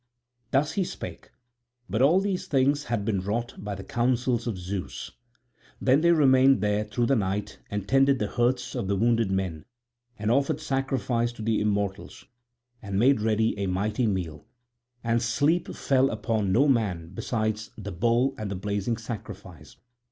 Thus he spake, but all these things had been wrought by the counsels of Zeus. Then they remained there through the night and tended the hurts of the wounded men, and offered sacrifice to the immortals, and made ready a mighty meal; and sleep fell upon no man beside the bowl and the blazing sacrifice.